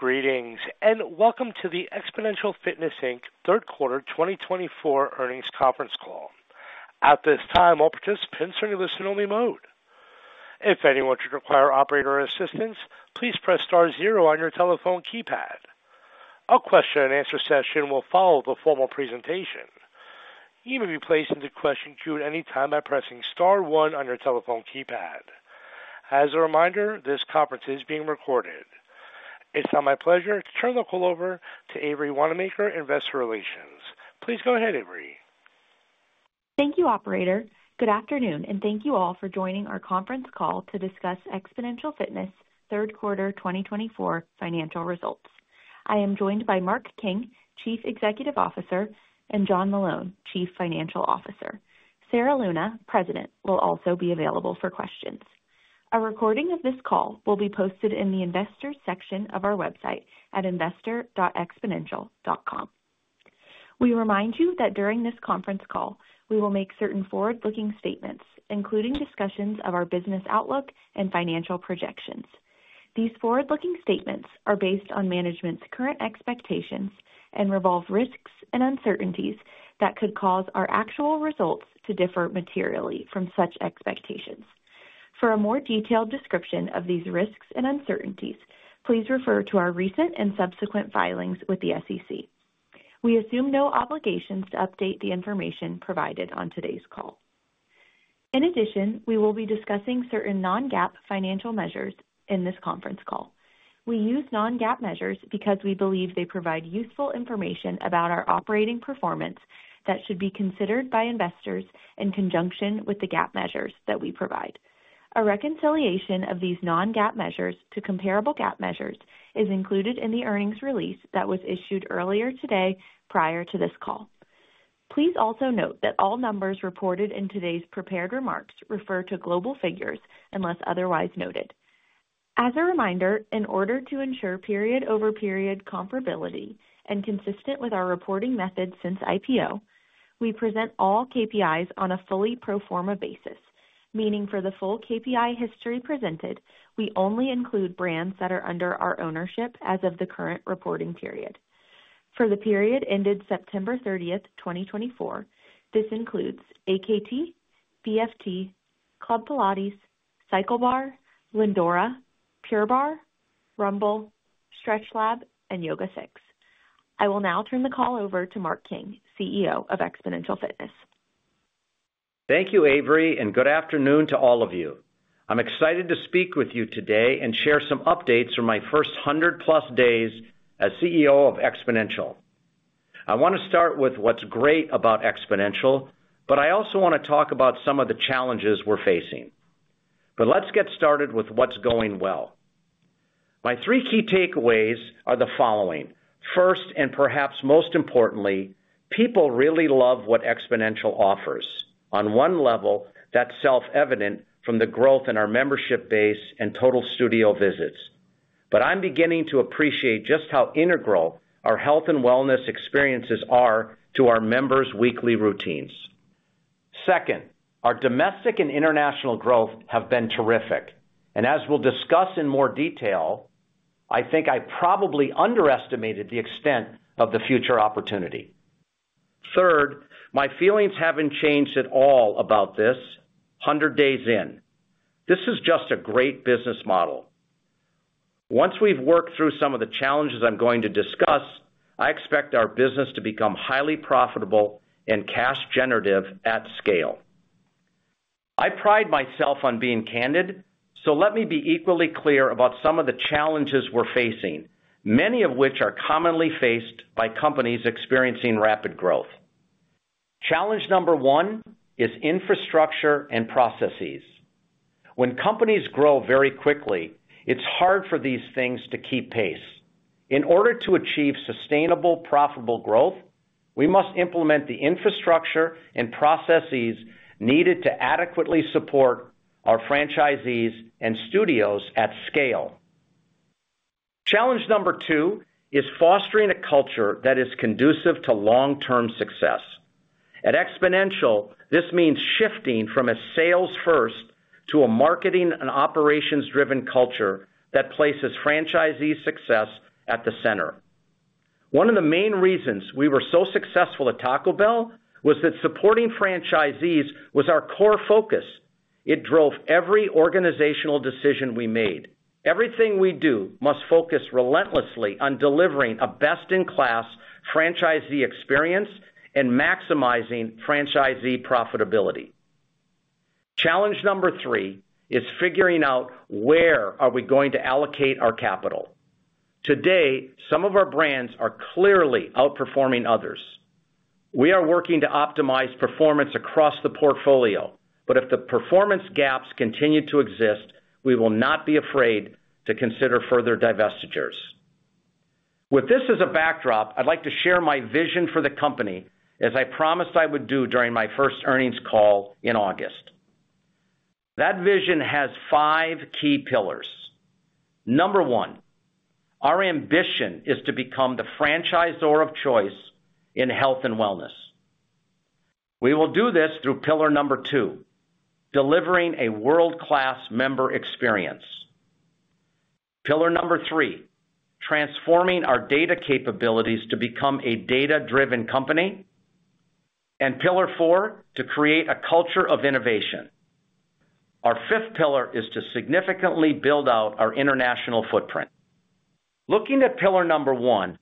Greetings and welcome to the Xponential Fitness, Inc Q3 2024 Earnings Conference Call. At this time, all participants are in listen-only mode. If anyone should require operator assistance, please press star zero on your telephone keypad. A question-and-answer session will follow the formal presentation. You may be placed into question queue at any time by pressing star one on your telephone keypad. As a reminder, this conference is being recorded. It's now my pleasure to turn the call over to Avery Wannemacher, Investor Relations. Please go ahead, Avery. Thank you, operator. Good afternoon, and thank you all for joining our conference call to discuss Xponential Fitness Q3 2024 Financial Results. I am joined by Mark King, CEO, and John Meloun, CFO. Sarah Luna, President, will also be available for questions. A recording of this call will be posted in the investor section of our website at investor.xponential.com. We remind you that during this conference call, we will make certain forward-looking statements, including discussions of our business outlook and financial projections. These forward-looking statements are based on management's current expectations and involve risks and uncertainties that could cause our actual results to differ materially from such expectations. For a more detailed description of these risks and uncertainties, please refer to our recent and subsequent filings with the SEC. We assume no obligations to update the information provided on today's call. In addition, we will be discussing certain non-GAAP financial measures in this conference call. We use non-GAAP measures because we believe they provide useful information about our operating performance that should be considered by investors in conjunction with the GAAP measures that we provide. A reconciliation of these non-GAAP measures to comparable GAAP measures is included in the earnings release that was issued earlier today prior to this call. Please also note that all numbers reported in today's prepared remarks refer to global figures unless otherwise noted. As a reminder, in order to ensure period-over-period comparability and consistent with our reporting method since IPO, we present all KPIs on a fully pro forma basis, meaning for the full KPI history presented, we only include brands that are under our ownership as of the current reporting period. For the period ended September 30th, 2024, this includes AKT, BFT, Club Pilates, CycleBar, Lindora, Pure Barre, Rumble, StretchLab, and YogaSix. I will now turn the call over to Mark King, CEO of Xponential Fitness. Thank you, Avery, and good afternoon to all of you. I'm excited to speak with you today and share some updates from my first 100+ days as CEO of Xponential. I want to start with what's great about Xponential, but I also want to talk about some of the challenges we're facing, but let's get started with what's going well. My three key takeaways are the following. First, and perhaps most importantly, people really love what Xponential offers. On one level, that's self-evident from the growth in our membership base and total studio visits, but I'm beginning to appreciate just how integral our health and wellness experiences are to our members' weekly routines. Second, our domestic and international growth has been terrific, and as we'll discuss in more detail, I think I probably underestimated the extent of the future opportunity. Third, my feelings haven't changed at all about this 100 days in. This is just a great business model. Once we've worked through some of the challenges I'm going to discuss, I expect our business to become highly profitable and cash-generative at scale. I pride myself on being candid, so let me be equally clear about some of the challenges we're facing, many of which are commonly faced by companies experiencing rapid growth. Challenge number one is infrastructure and processes. When companies grow very quickly, it's hard for these things to keep pace. In order to achieve sustainable, profitable growth, we must implement the infrastructure and processes needed to adequately support our franchisees and studios at scale. Challenge number two is fostering a culture that is conducive to long-term success. At Xponential, this means shifting from a sales-first to a marketing and operations-driven culture that places franchisees' success at the center. One of the main reasons we were so successful at Taco Bell was that supporting franchisees was our core focus. It drove every organizational decision we made. Everything we do must focus relentlessly on delivering a best-in-class franchisee experience and maximizing franchisee profitability. Challenge number three is figuring out where are we going to allocate our capital. Today, some of our brands are clearly outperforming others. We are working to optimize performance across the portfolio, but if the performance gaps continue to exist, we will not be afraid to consider further divestitures. With this as a backdrop, I'd like to share my vision for the company, as I promised I would do during my first earnings call in August. That vision has five key pillars. Number one, our ambition is to become the franchisor of choice in health and wellness. We will do this through pillar number two, delivering a world-class member experience. Pillar number three, transforming our data capabilities to become a data-driven company, and pillar four, to create a culture of innovation. Our fifth pillar is to significantly build out our international footprint. Looking at pillar number one,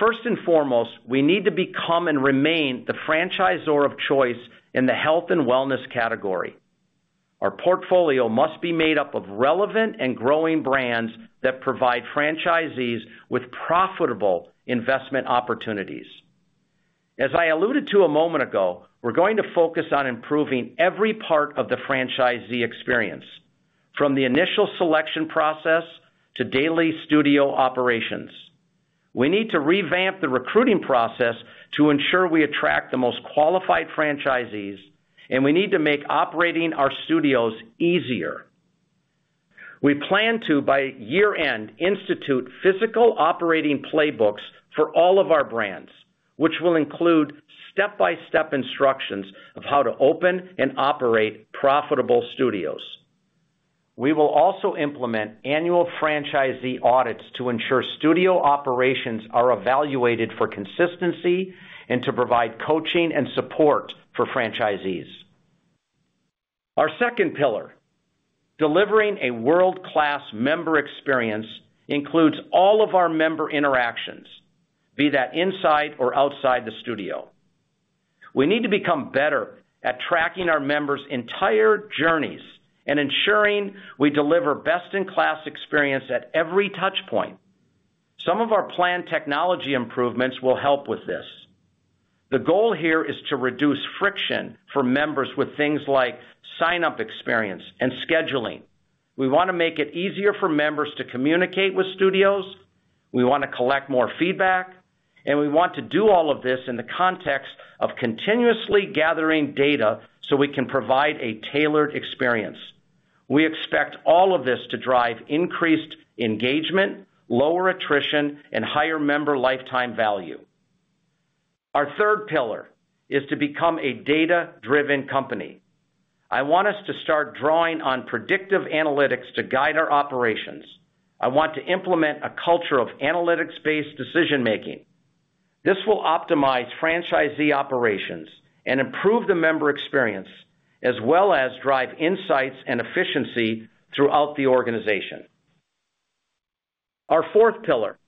first and foremost, we need to become and remain the franchisor of choice in the health and wellness category. Our portfolio must be made up of relevant and growing brands that provide franchisees with profitable investment opportunities. As I alluded to a moment ago, we're going to focus on improving every part of the franchisee experience, from the initial selection process to daily studio operations. We need to revamp the recruiting process to ensure we attract the most qualified franchisees, and we need to make operating our studios easier. We plan to, by year-end, institute physical operating playbooks for all of our brands, which will include step-by-step instructions of how to open and operate profitable studios. We will also implement annual franchisee audits to ensure studio operations are evaluated for consistency and to provide coaching and support for franchisees. Our second pillar, delivering a world-class member experience, includes all of our member interactions, be that inside or outside the studio. We need to become better at tracking our members' entire journeys and ensuring we deliver best-in-class experience at every touchpoint. Some of our planned technology improvements will help with this. The goal here is to reduce friction for members with things like sign-up experience and scheduling. We want to make it easier for members to communicate with studios, we want to collect more feedback, and we want to do all of this in the context of continuously gathering data so we can provide a tailored experience. We expect all of this to drive increased engagement, lower attrition, and higher member lifetime value. Our third pillar is to become a data-driven company. I want us to start drawing on predictive analytics to guide our operations. I want to implement a culture of analytics-based decision-making. This will optimize franchisee operations and improve the member experience, as well as drive insights and efficiency throughout the organization. Our fourth pillar,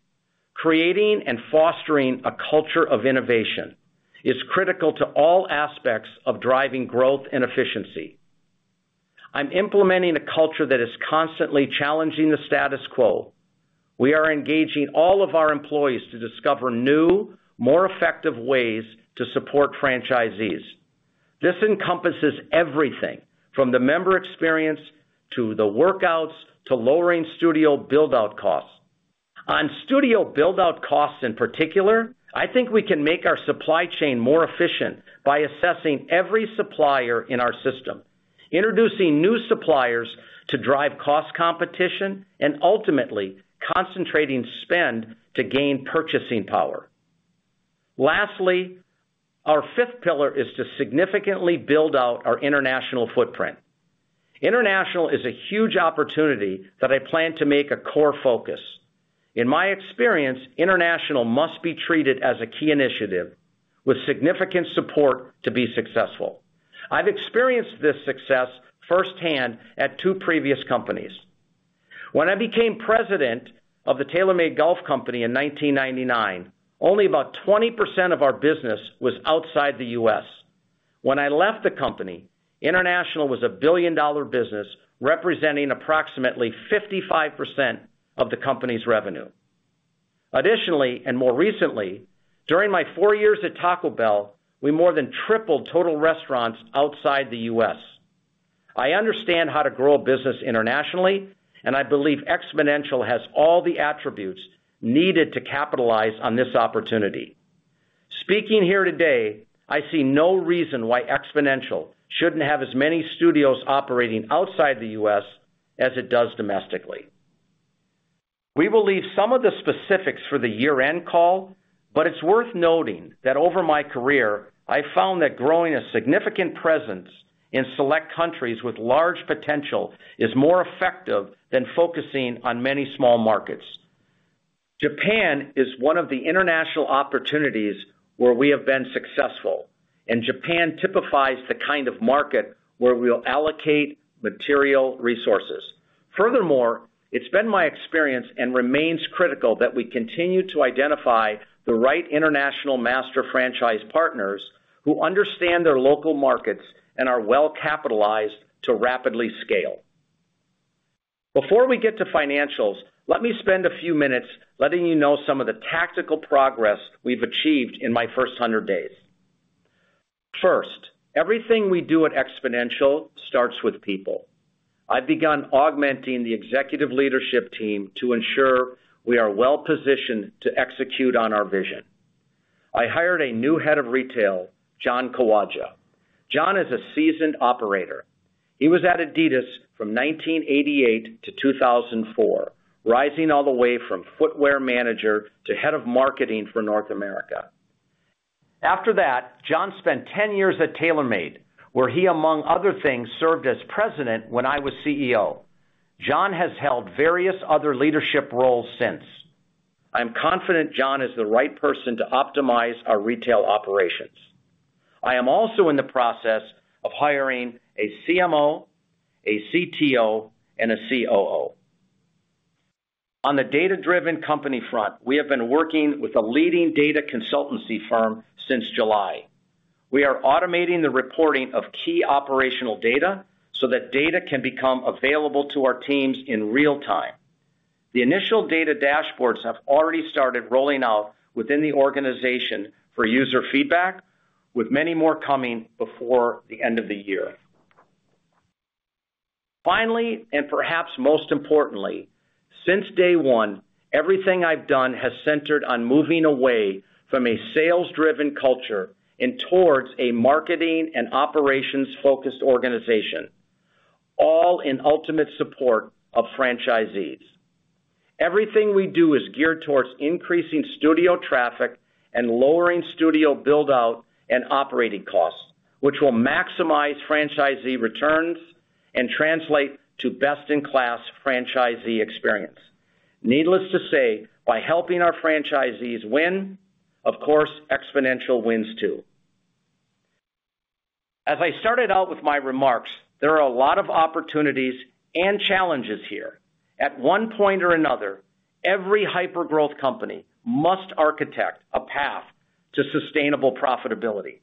creating and fostering a culture of innovation, is critical to all aspects of driving growth and efficiency. I'm implementing a culture that is constantly challenging the status quo. We are engaging all of our employees to discover new, more effective ways to support franchisees. This encompasses everything from the member experience to the workouts to lowering studio build-out costs. On studio build-out costs in particular, I think we can make our supply chain more efficient by assessing every supplier in our system, introducing new suppliers to drive cost competition, and ultimately concentrating spend to gain purchasing power. Lastly, our fifth pillar is to significantly build out our international footprint. International is a huge opportunity that I plan to make a core focus. In my experience, international must be treated as a key initiative with significant support to be successful. I've experienced this success firsthand at two previous companies. When I became president of the TaylorMade Golf Company in 1999, only about 20% of our business was outside the U.S. When I left the company, International was a billion-dollar business representing approximately 55% of the company's revenue. Additionally, and more recently, during my four years at Taco Bell, we more than tripled total restaurants outside the U.S. I understand how to grow a business internationally, and I believe Xponential has all the attributes needed to capitalize on this opportunity. Speaking here today, I see no reason why Xponential shouldn't have as many studios operating outside the U.S. as it does domestically. We will leave some of the specifics for the year-end call, but it's worth noting that over my career, I found that growing a significant presence in select countries with large potential is more effective than focusing on many small markets. Japan is one of the international opportunities where we have been successful, and Japan typifies the kind of market where we'll allocate material resources. Furthermore, it's been my experience and remains critical that we continue to identify the right international master franchise partners who understand their local markets and are well capitalized to rapidly scale. Before we get to financials, let me spend a few minutes letting you know some of the tactical progress we've achieved in my first 100 days. First, everything we do at Xponential starts with people. I've begun augmenting the executive leadership team to ensure we are well positioned to execute on our vision. I hired a new Head of Retail, John Kawaja. John is a seasoned operator. He was at Adidas from 1988 to 2004, rising all the way from Footwear Manager to Head of Marketing for North America. After that, John spent 10 years at TaylorMade, where he, among other things, served as President when I was CEO. John has held various other leadership roles since. I'm confident John is the right person to optimize our retail operations. I am also in the process of hiring a CMO, a CTO, and a COO. On the data-driven company front, we have been working with a leading data consultancy firm since July. We are automating the reporting of key operational data so that data can become available to our teams in real time. The initial data dashboards have already started rolling out within the organization for user feedback, with many more coming before the end of the year. Finally, and perhaps most importantly, since day one, everything I've done has centered on moving away from a sales-driven culture and towards a marketing and operations-focused organization, all in ultimate support of franchisees. Everything we do is geared towards increasing studio traffic and lowering studio build-out and operating costs, which will maximize franchisee returns and translate to best-in-class franchisee experience. Needless to say, by helping our franchisees win, of course, Xponential wins too. As I started out with my remarks, there are a lot of opportunities and challenges here. At one point or another, every hyper-growth company must architect a path to sustainable profitability.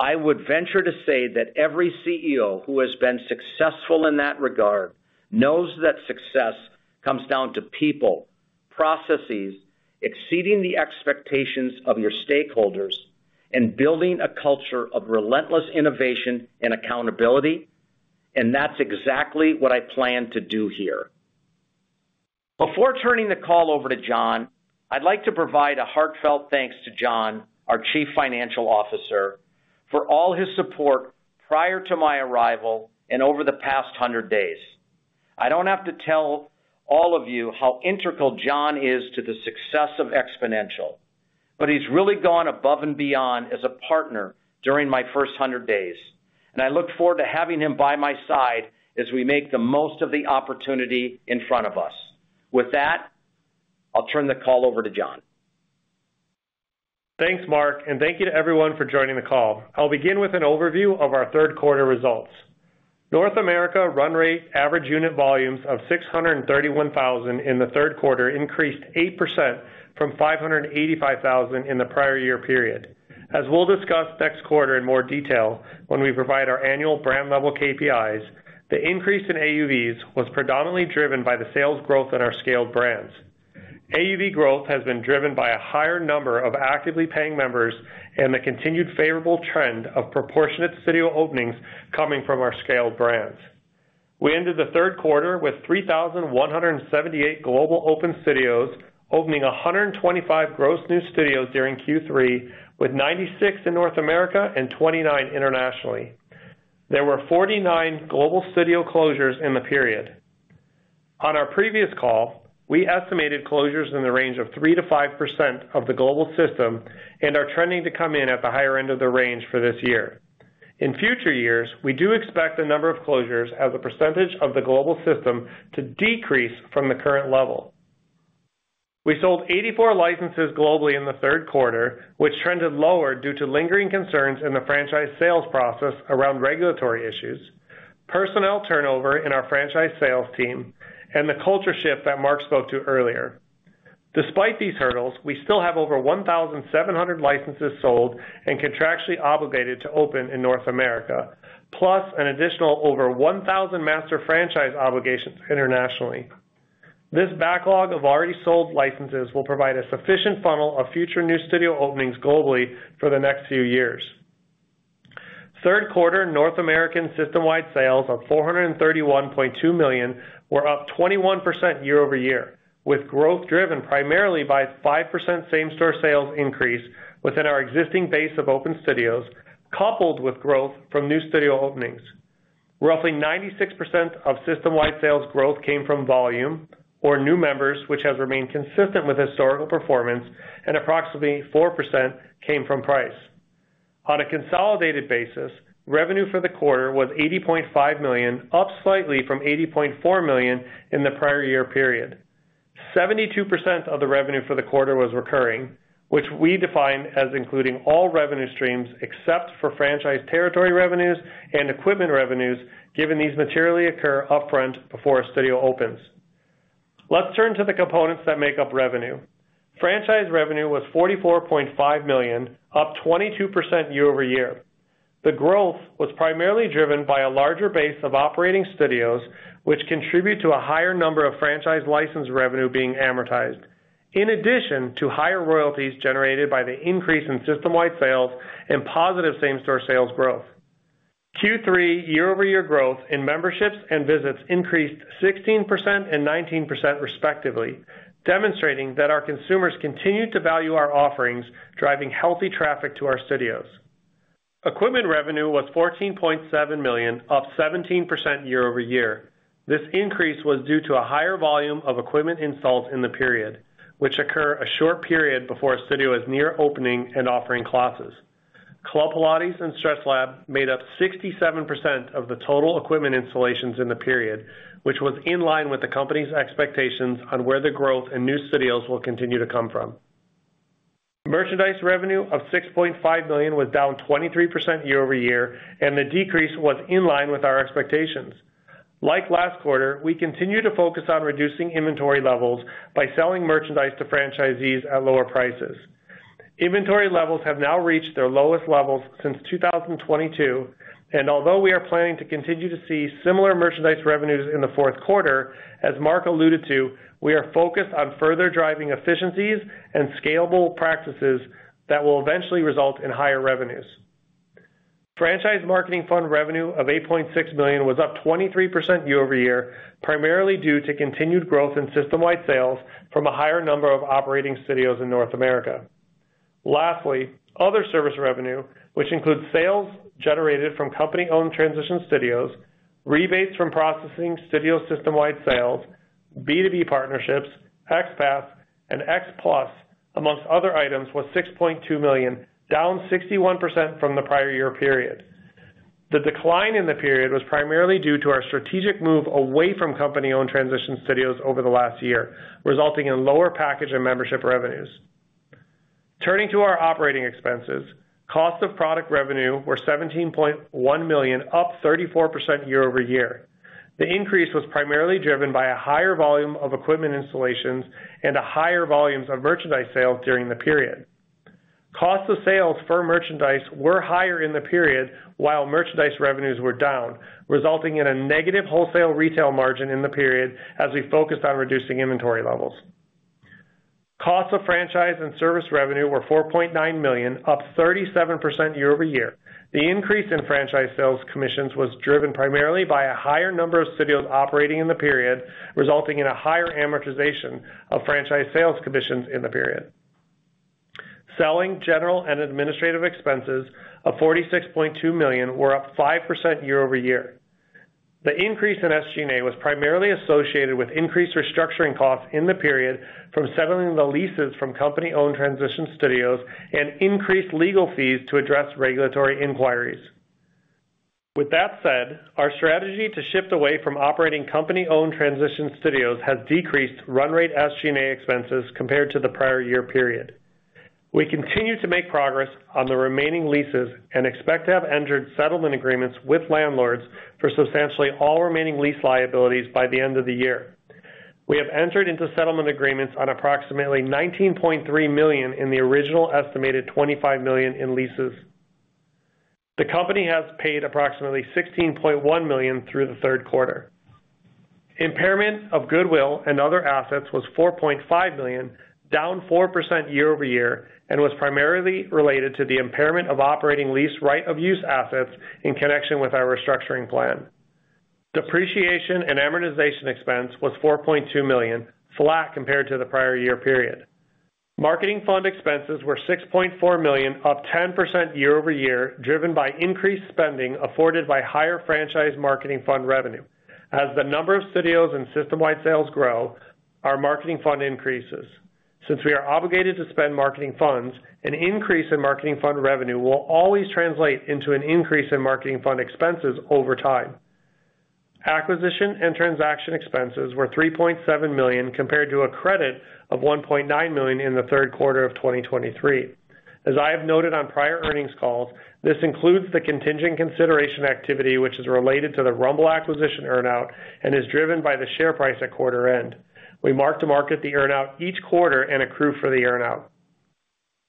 I would venture to say that every CEO who has been successful in that regard knows that success comes down to people, processes, exceeding the expectations of your stakeholders, and building a culture of relentless innovation and accountability, and that's exactly what I plan to do here. Before turning the call over to John, I'd like to provide a heartfelt thanks to John, our CFO, for all his support prior to my arrival and over the past 100 days. I don't have to tell all of you how integral John is to the success of Xponential, but he's really gone above and beyond as a partner during my first 100 days, and I look forward to having him by my side as we make the most of the opportunity in front of us. With that, I'll turn the call over to John. Thanks, Mark, and thank you to everyone for joining the call. I'll begin with an overview of our third-quarter results. North America run rate average unit volumes of 631,000 in the Q3 increased 8% from 585,000 in the prior year period. As we'll discuss next quarter in more detail when we provide our annual brand-level KPIs, the increase in AUVs was predominantly driven by the sales growth in our scaled brands. AUV growth has been driven by a higher number of actively paying members and the continued favorable trend of proportionate studio openings coming from our scaled brands. We ended the Q3 with 3,178 global open studios opening 125 gross new studios during Q3, with 96 in North America and 29 internationally. There were 49 global studio closures in the period. On our previous call, we estimated closures in the range of 3%-5% of the global system and are trending to come in at the higher end of the range for this year. In future years, we do expect the number of closures as a percentage of the global system to decrease from the current level. We sold 84 licenses globally in the Q3, which trended lower due to lingering concerns in the franchise sales process around regulatory issues, personnel turnover in our franchise sales team, and the culture shift that Mark spoke to earlier. Despite these hurdles, we still have over 1,700 licenses sold and contractually obligated to open in North America, plus an additional over 1,000 master franchise obligations internationally. This backlog of already sold licenses will provide a sufficient funnel of future new studio openings globally for the next few years. Q3 North American system-wide sales of $431.2 million were up 21% year-over-year, with growth driven primarily by a 5% same-store sales increase within our existing base of open studios, coupled with growth from new studio openings. Roughly 96% of system-wide sales growth came from volume or new members, which has remained consistent with historical performance, and approximately 4% came from price. On a consolidated basis, revenue for the quarter was $80.5 million, up slightly from $80.4 million in the prior year period. 72% of the revenue for the quarter was recurring, which we define as including all revenue streams except for franchise territory revenues and equipment revenues, given these materially occur upfront before a studio opens. Let's turn to the components that make up revenue. Franchise revenue was $44.5 million, up 22% year-over-year. The growth was primarily driven by a larger base of operating studios, which contribute to a higher number of franchise license revenue being amortized, in addition to higher royalties generated by the increase in system-wide sales and positive same-store sales growth. Q3 year-over-year growth in memberships and visits increased 16% and 19% respectively, demonstrating that our consumers continue to value our offerings, driving healthy traffic to our studios. Equipment revenue was $14.7 million, up 17% year-over-year. This increase was due to a higher volume of equipment installs in the period, which occur a short period before a studio is near opening and offering classes. Club Pilates and StretchLab made up 67% of the total equipment installations in the period, which was in line with the company's expectations on where the growth in new studios will continue to come from. Merchandise revenue of $6.5 million was down 23% year-over-year, and the decrease was in line with our expectations. Like last quarter, we continue to focus on reducing inventory levels by selling merchandise to franchisees at lower prices. Inventory levels have now reached their lowest levels since 2022, and although we are planning to continue to see similar merchandise revenues in the Q4, as Mark alluded to, we are focused on further driving efficiencies and scalable practices that will eventually result in higher revenues. Franchise marketing fund revenue of $8.6 million was up 23% year-over-year, primarily due to continued growth in system-wide sales from a higher number of operating studios in North America. Lastly, other service revenue, which includes sales generated from company-owned transition studios, rebates from processing studio system-wide sales, B2B partnerships, XPASS, and XPLUS, among other items, was $6.2 million, down 61% from the prior year period. The decline in the period was primarily due to our strategic move away from company-owned transition studios over the last year, resulting in lower package and membership revenues. Turning to our operating expenses, cost of product revenue were $17.1 million, up 34% year-over-year. The increase was primarily driven by a higher volume of equipment installations and higher volumes of merchandise sales during the period. Cost of sales for merchandise were higher in the period, while merchandise revenues were down, resulting in a negative wholesale retail margin in the period as we focused on reducing inventory levels. Cost of franchise and service revenue were $4.9 million, up 37% year-over-year. The increase in franchise sales commissions was driven primarily by a higher number of studios operating in the period, resulting in a higher amortization of franchise sales commissions in the period. Selling, general, and administrative expenses of $46.2 million were up 5% year-over-year. The increase in SG&A was primarily associated with increased restructuring costs in the period from settling the leases from company-owned transition studios and increased legal fees to address regulatory inquiries. With that said, our strategy to shift away from operating company-owned transition studios has decreased run rate SG&A expenses compared to the prior year period. We continue to make progress on the remaining leases and expect to have entered settlement agreements with landlords for substantially all remaining lease liabilities by the end of the year. We have entered into settlement agreements on approximately $19.3 million in the original estimated $25 million in leases. The company has paid approximately $16.1 million through the Q3. Impairment of goodwill and other assets was $4.5 million, down 4% year-over-year, and was primarily related to the impairment of operating lease right-of-use assets in connection with our restructuring plan. Depreciation and amortization expense was $4.2 million, flat compared to the prior year period. Marketing fund expenses were $6.4 million, up 10% year-over-year, driven by increased spending afforded by higher franchise marketing fund revenue. As the number of studios and system-wide sales grow, our marketing fund increases. Since we are obligated to spend marketing fund, an increase in marketing fund revenue will always translate into an increase in marketing fund expenses over time. Acquisition and transaction expenses were $3.7 million compared to a credit of $1.9 million in the Q3 of 2023. As I have noted on prior earnings calls, this includes the contingent consideration activity, which is related to the Rumble acquisition earn-out and is driven by the share price at quarter end. We mark to market the earn-out each quarter and accrue for the earn-out.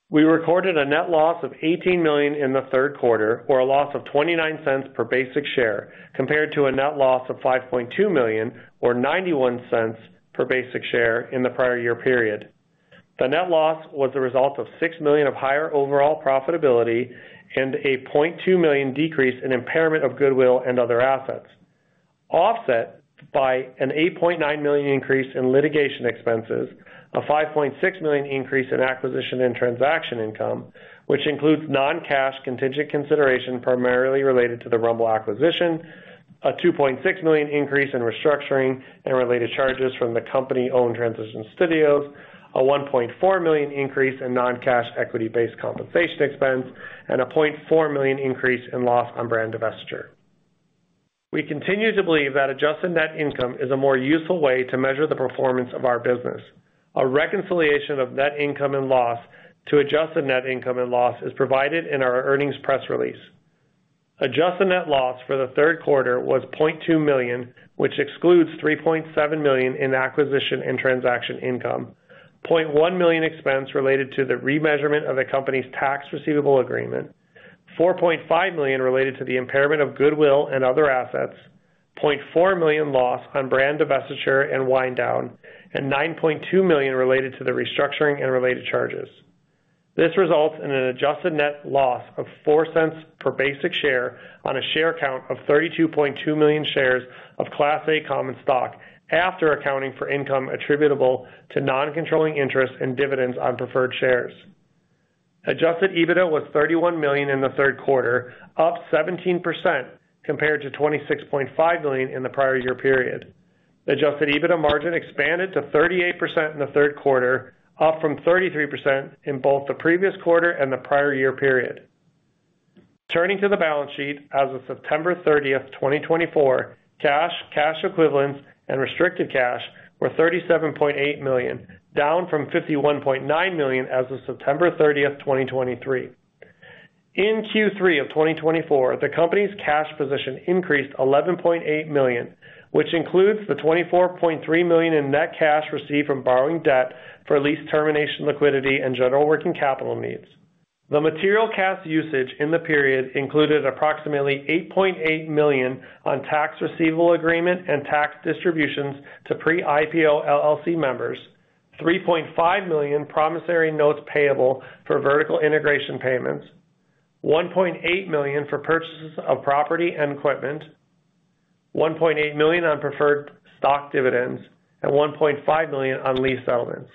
We recorded a net loss of $18 million in the Q3, or a loss of $0.29 per basic share, compared to a net loss of $5.2 million, or $0.91 per basic share in the prior year period. The net loss was the result of $6 million of higher overall profitability and a $0.2 million decrease in impairment of goodwill and other assets, offset by an $8.9 million increase in litigation expenses, a $5.6 million increase in acquisition and transaction income, which includes non-cash contingent consideration primarily related to the Rumble acquisition, a $2.6 million increase in restructuring and related charges from the company-owned transition studios, a $1.4 million increase in non-cash equity-based compensation expense, and a $0.4 million increase in loss on brand divestiture. We continue to believe that adjusted net income is a more useful way to measure the performance of our business. A reconciliation of net income and loss to adjusted net income and loss is provided in our earnings press release. Adjusted net loss for the Q3 was $0.2 million, which excludes $3.7 million in acquisition and transaction income, $0.1 million expense related to the remeasurement of the company's Tax Receivable Agreement, $4.5 million related to the impairment of goodwill and other assets, $0.4 million loss on brand divestiture and wind-down, and $9.2 million related to the restructuring and related charges. This results in an adjusted net loss of $0.04 per basic share on a share count of 32.2 million shares of Class A common stock after accounting for income attributable to non-controlling interest and dividends on preferred shares. Adjusted EBITDA was $31 million in the Q3, up 17% compared to $26.5 million in the prior year period. Adjusted EBITDA margin expanded to 38% in the Q3, up from 33% in both the previous quarter and the prior year period. Turning to the balance sheet as of September 30, 2024, cash, cash equivalents, and restricted cash were $37.8 million, down from $51.9 million as of September 30, 2023. In Q3 of 2024, the company's cash position increased $11.8 million, which includes the $24.3 million in net cash received from borrowing debt for lease termination liquidity and general working capital needs. The material cash usage in the period included approximately $8.8 million on Tax Receivable Agreement and tax distributions to Pre-IPO LLC members, $3.5 million promissory notes payable for vertical integration payments, $1.8 million for purchases of property and equipment, $1.8 million on preferred stock dividends, and $1.5 million on lease settlements.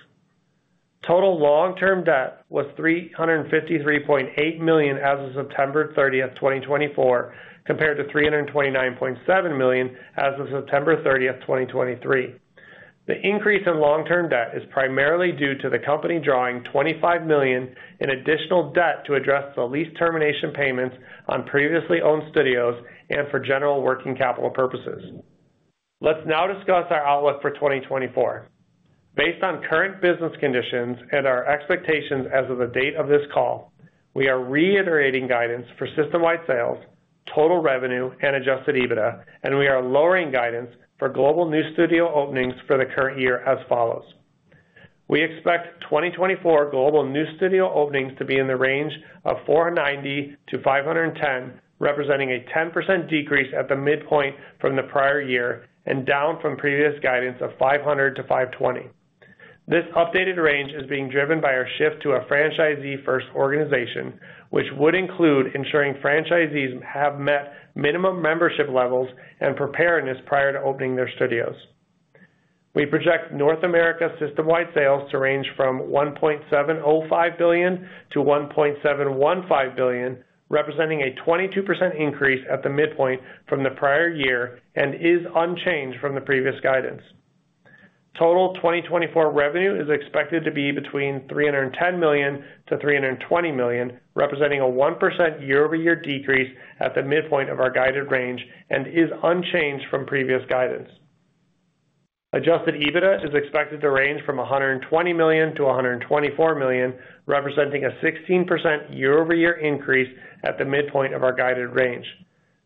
Total long-term debt was $353.8 million as of September 30, 2024, compared to $329.7 million as of September 30, 2023. The increase in long-term debt is primarily due to the company drawing $25 million in additional debt to address the lease termination payments on previously owned studios and for general working capital purposes. Let's now discuss our outlook for 2024. Based on current business conditions and our expectations as of the date of this call, we are reiterating guidance for system-wide sales, total revenue, and adjusted EBITDA, and we are lowering guidance for global new studio openings for the current year as follows. We expect 2024 global new studio openings to be in the range of 490-510, representing a 10% decrease at the midpoint from the prior year and down from previous guidance of 500-520. This updated range is being driven by our shift to a franchisee-first organization, which would include ensuring franchisees have met minimum membership levels and preparedness prior to opening their studios. We project North America system-wide sales to range from $1.705 billion-$1.715 billion, representing a 22% increase at the midpoint from the prior year and is unchanged from the previous guidance. Total 2024 revenue is expected to be between $310 million-$320 million, representing a 1% year-over-year decrease at the midpoint of our guided range and is unchanged from previous guidance. Adjusted EBITDA is expected to range from $120 million-$124 million, representing a 16% year-over-year increase at the midpoint of our guided range.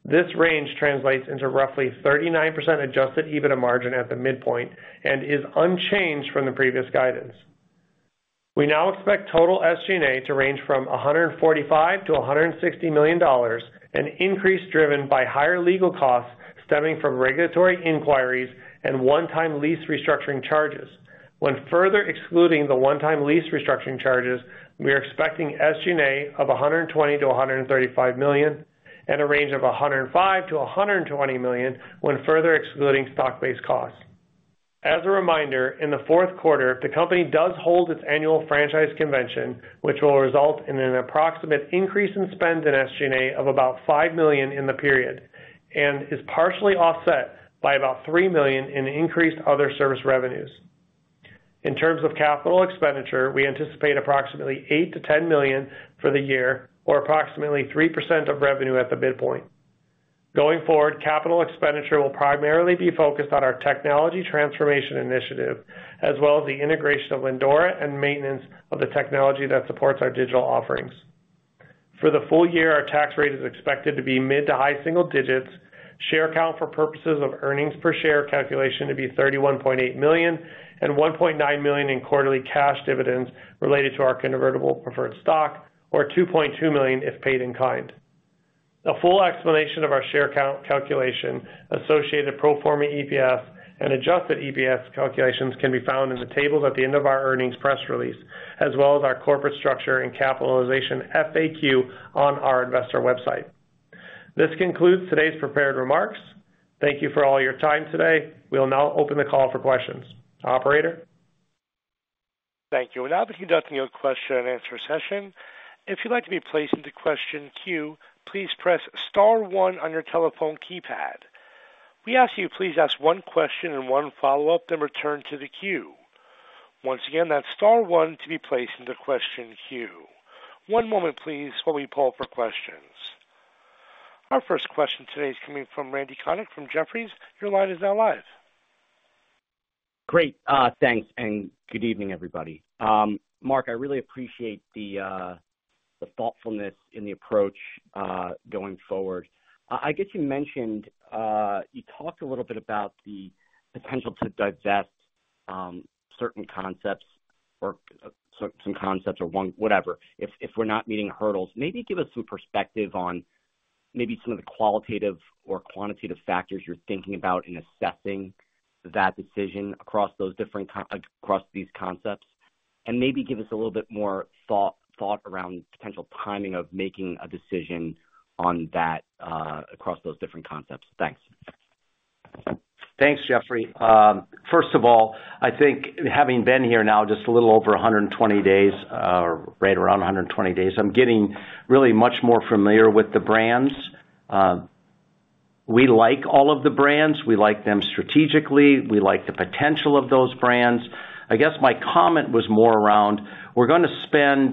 This range translates into roughly 39% adjusted EBITDA margin at the midpoint and is unchanged from the previous guidance. We now expect total SG&A to range from $145 million-$160 million, an increase driven by higher legal costs stemming from regulatory inquiries and one-time lease restructuring charges. When further excluding the one-time lease restructuring charges, we are expecting SG&A of $120 million-$135 million and a range of $105 million-$120 million when further excluding stock-based costs. As a reminder, in the Q4, the company does hold its annual franchise convention, which will result in an approximate increase in spend in SG&A of about $5 million in the period and is partially offset by about $3 million in increased other service revenues. In terms of capital expenditure, we anticipate approximately $8 million-$10 million for the year, or approximately 3% of revenue at the midpoint. Going forward, capital expenditure will primarily be focused on our technology transformation initiative, as well as the integration of Lindora and maintenance of the technology that supports our digital offerings. For the full year, our tax rate is expected to be mid- to high-single digits, share count for purposes of earnings per share calculation to be 31.8 million, and $1.9 million in quarterly cash dividends related to our convertible preferred stock, or $2.2 million if paid in kind. A full explanation of our share count calculation, associated pro forma EPS, and adjusted EPS calculations can be found in the tables at the end of our earnings press release, as well as our corporate structure and capitalization FAQ on our investor website. This concludes today's prepared remarks. Thank you for all your time today. We'll now open the call for questions. Operator. Thank you. Now we'll be conducting a question-and-answer session. If you'd like to be placed into question queue, please press star one on your telephone keypad. We ask you to please ask one question and one follow-up then return to the queue. Once again, that's star one to be placed into question queue. One moment, please, while we pull up our questions. Our first question today is coming from Randy Konik from Jefferies. Your line is now live. Great. Thanks, and good evening, everybody. Mark, I really appreciate the thoughtfulness in the approach going forward. I guess you mentioned you talked a little bit about the potential to divest certain concepts or some concepts or whatever if we're not meeting hurdles. Maybe give us some perspective on maybe some of the qualitative or quantitative factors you're thinking about in assessing that decision across these concepts, and maybe give us a little bit more thought around potential timing of making a decision across those different concepts. Thanks. Thanks, Randy. First of all, I think having been here now just a little over 120 days, right around 120 days, I'm getting really much more familiar with the brands. We like all of the brands. We like them strategically. We like the potential of those brands. I guess my comment was more around we're going to spend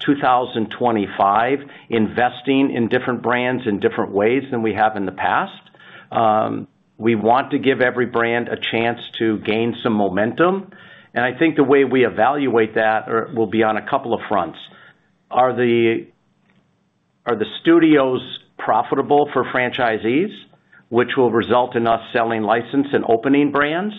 2025 investing in different brands in different ways than we have in the past. We want to give every brand a chance to gain some momentum and I think the way we evaluate that will be on a couple of fronts. Are the studios profitable for franchisees, which will result in us selling license and opening brands?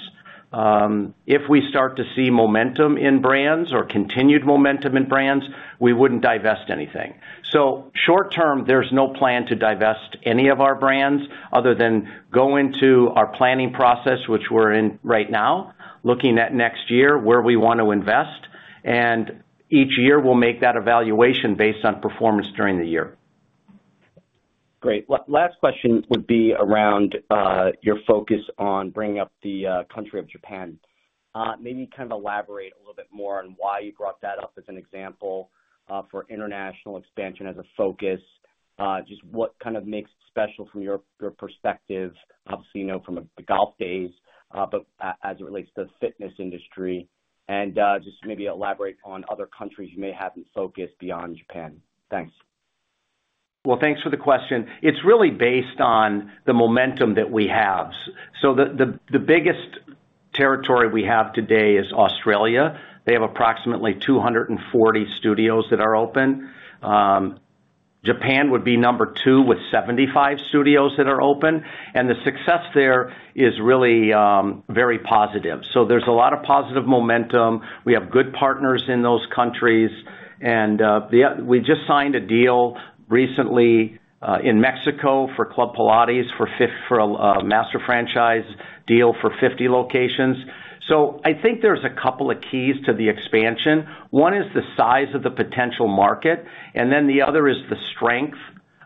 If we start to see momentum in brands or continued momentum in brands, we wouldn't divest anything. Short term, there's no plan to divest any of our brands other than go into our planning process, which we're in right now, looking at next year where we want to invest. Each year, we'll make that evaluation based on performance during the year. Great. Last question would be around your focus on bringing up the country of Japan. Maybe kind of elaborate a little bit more on why you brought that up as an example for international expansion as a focus, just what kind of makes it special from your perspective, obviously from the Golf days, but as it relates to the fitness industry, and just maybe elaborate on other countries you may have in focus beyond Japan. Thanks. Thanks for the question. It's really based on the momentum that we have. The biggest territory we have today is Australia. They have approximately 240 studios that are open. Japan would be number two with 75 studios that are open. And the success there is really very positive. So there's a lot of positive momentum. We have good partners in those countries. And we just signed a deal recently in Mexico for Club Pilates for a master franchise deal for 50 locations. So I think there's a couple of keys to the expansion. One is the size of the potential market, and then the other is the strength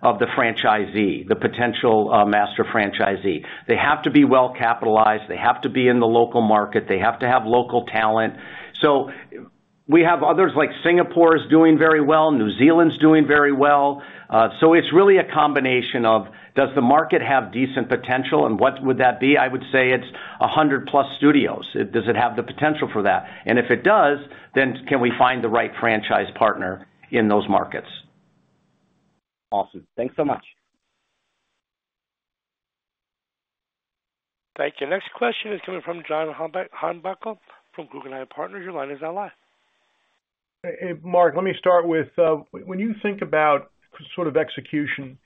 of the franchisee, the potential master franchisee. They have to be well capitalized. They have to be in the local market. They have to have local talent. So we have others like Singapore is doing very well, New Zealand's doing very well. So it's really a combination of does the market have decent potential, and what would that be? I would say it's 100+ studios. Does it have the potential for that? And if it does, then can we find the right franchise partner in those markets? Awesome. Thanks so much. Thank you. Next question is coming from John Heinbockel from Guggenheim Partners. Your line is now live. Mark, let me start with when you think about sort of execution,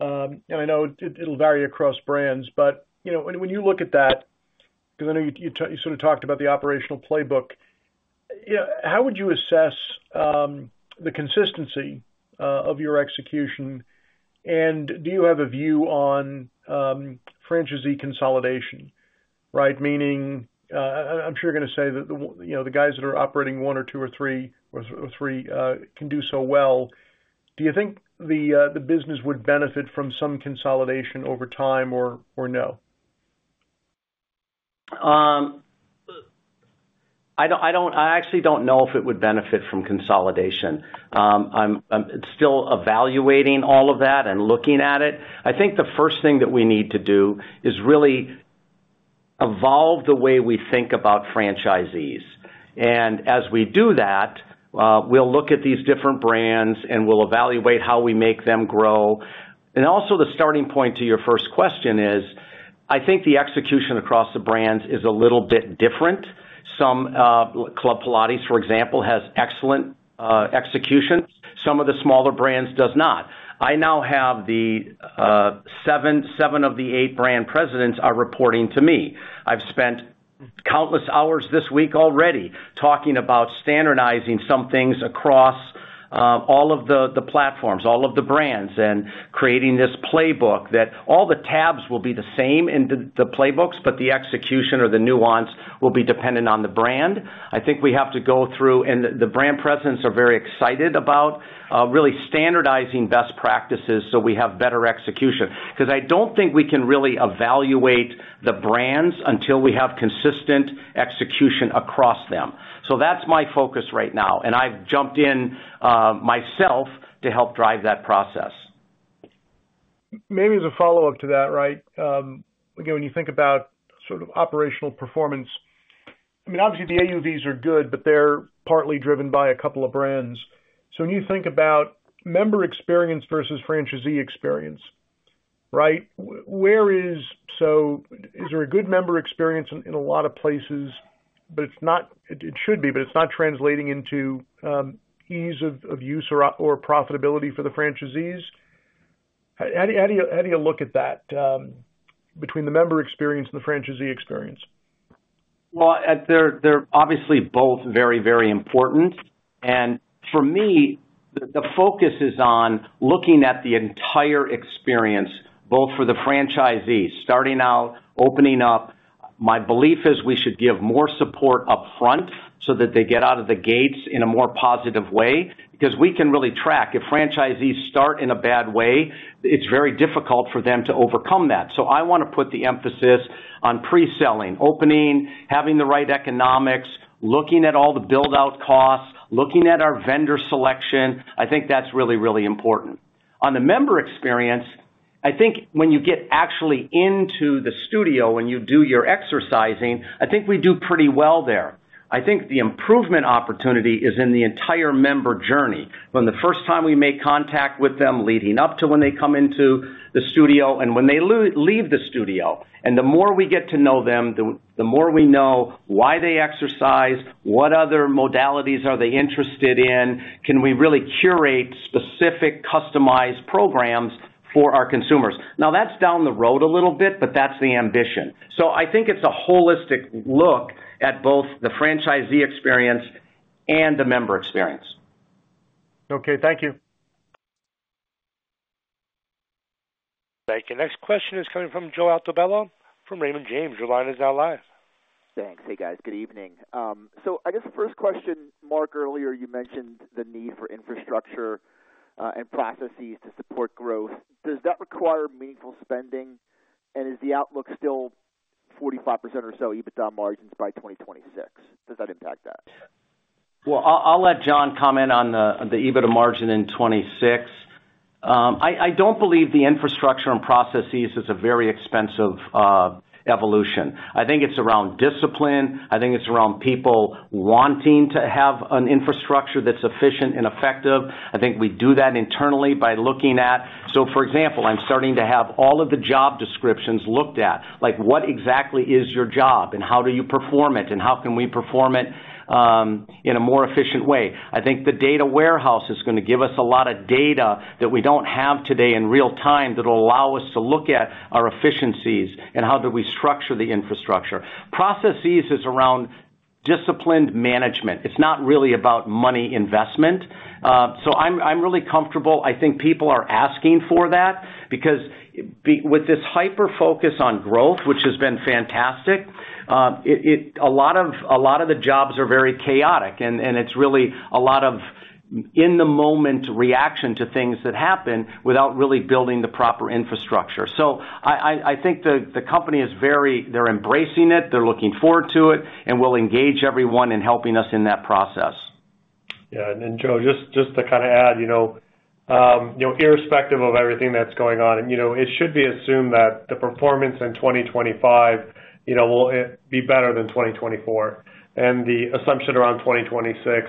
and I know it'll vary across brands, but when you look at that, because I know you sort of talked about the operational playbook, how would you assess the consistency of your execution? And do you have a view on franchisee consolidation, right? Meaning I'm sure you're going to say that the guys that are operating one or two or three can do so well. Do you think the business would benefit from some consolidation over time or no? I actually don't know if it would benefit from consolidation. I'm still evaluating all of that and looking at it. I think the first thing that we need to do is really evolve the way we think about franchisees, and as we do that, we'll look at these different brands and we'll evaluate how we make them grow, and also the starting point to your first question is I think the execution across the brands is a little bit different. Club Pilates, for example, has excellent execution. Some of the smaller brands do not. I now have the seven of the eight brand presidents are reporting to me. I've spent countless hours this week already talking about standardizing some things across all of the platforms, all of the brands, and creating this playbook that all the tabs will be the same in the playbooks, but the execution or the nuance will be dependent on the brand. I think we have to go through, and the brand presidents are very excited about really standardizing best practices so we have better execution, because I don't think we can really evaluate the brands until we have consistent execution across them. So that's my focus right now, and I've jumped in myself to help drive that process. Maybe as a follow-up to that, right? Again, when you think about sort of operational performance, I mean, obviously the AUVs are good, but they're partly driven by a couple of brands. So when you think about member experience versus franchisee experience, right? So is there a good member experience in a lot of places, but it should be, but it's not translating into ease of use or profitability for the franchisees? How do you look at that between the member experience and the franchisee experience? Well, they're obviously both very, very important. For me, the focus is on looking at the entire experience, both for the franchisee, starting out, opening up. My belief is we should give more support upfront so that they get out of the gates in a more positive way, because we can really track. If franchisees start in a bad way, it's very difficult for them to overcome that. So I want to put the emphasis on pre-selling, opening, having the right economics, looking at all the build-out costs, looking at our vendor selection. I think that's really, really important. On the member experience, I think when you get actually into the studio and you do your exercising, I think we do pretty well there. I think the improvement opportunity is in the entire member journey, from the first time we make contact with them leading up to when they come into the studio and when they leave the studio. And the more we get to know them, the more we know why they exercise, what other modalities are they interested in, can we really curate specific customized programs for our consumers. Now, that's down the road a little bit, but that's the ambition. So I think it's a holistic look at both the franchisee experience and the member experience. Okay. Thank you. Thank you. Next question is coming from Joe Altobello from Raymond James. Your line is now live. Thanks. Hey, guys. Good evening. So I guess first question, Mark, earlier you mentioned the need for infrastructure and processes to support growth. Does that require meaningful spending? And is the outlook still 45% or so EBITDA margins by 2026? Does that impact that? Well, I'll let John comment on the EBITDA margin in 2026. I don't believe the infrastructure and processes is a very expensive evolution. I think it's around discipline. I think it's around people wanting to have an infrastructure that's efficient and effective. I think we do that internally by looking at, so for example, I'm starting to have all of the job descriptions looked at. What exactly is your job, and how do you perform it, and how can we perform it in a more efficient way? I think the data warehouse is going to give us a lot of data that we don't have today in real time that will allow us to look at our efficiencies and how do we structure the infrastructure. Processes is around disciplined management. It's not really about money investment, so I'm really comfortable. I think people are asking for that because with this hyper-focus on growth, which has been fantastic, a lot of the jobs are very chaotic, and it's really a lot of in-the-moment reaction to things that happen without really building the proper infrastructure, so I think the company, they're embracing it. They're looking forward to it and will engage everyone in helping us in that process. Yeah, and Joe, just to kind of add, irrespective of everything that's going on, it should be assumed that the performance in 2025 will be better than 2024, and the assumption around 2026